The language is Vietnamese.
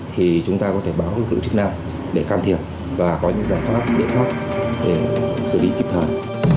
thì chúng ta có thể báo được lựa chức nào để can thiệp và có những giải pháp để sử dụng kịp thời